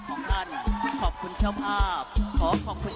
โอ้โห